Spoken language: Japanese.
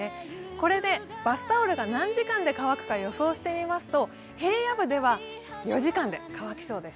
これでバスタオルが何時間で乾くか予想してみますと、平野部では４時間で乾きそうです。